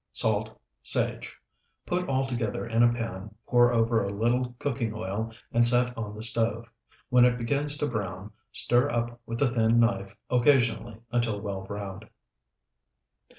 Salt. Sage. Put all together in a pan, pour over a little cooking oil, and set on the stove. When it begins to brown, stir up with a thin knife occasionally until well browned.